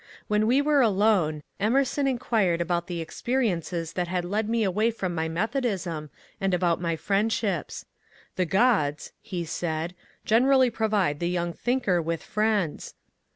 When we were alone, Emerson inquired about the experiences that had led me away from my Methodism, and about my friendships. ^' The gods," he said, " generally provide the young thinker with friends."